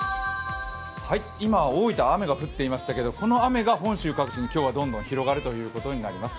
今、大分は雨が降っていましたけれども、この雨が本州各地に今日はどんどん広がるということになります。